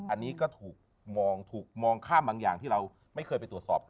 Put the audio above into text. อันนี้ก็ถูกมองถูกมองข้ามบางอย่างที่เราไม่เคยไปตรวจสอบ